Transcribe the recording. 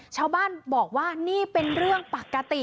ชาวบ้านบอกว่านี่เป็นเรื่องปกติ